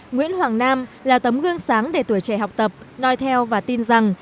nguyễn hoàng nam là tấm gương sáng để tuổi trẻ học tập nói theo và tin rằng